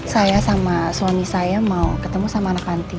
saya sama suami saya mau ketemu sama anak panti